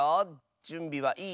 じゅんびはいい？